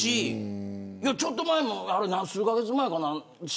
ちょっと前も数カ月前かな